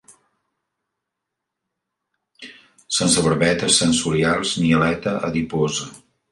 Sense barbetes sensorials ni aleta adiposa.